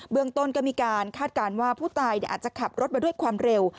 เมืองต้นก็มีการคาดการณ์ว่าผู้ตายอาจจะขับรถมาด้วยความเร็ว